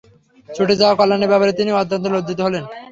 ছুটে যাওয়া কল্যাণের ব্যাপারে তিনি অত্যন্ত লজ্জিত হলেন।